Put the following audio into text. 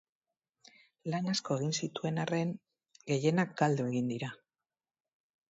Lan asko egin zituen arren, gehienak galdu egin dira.